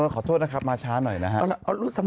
ขอโทษนะครับมาช้าหน่อยนะครับ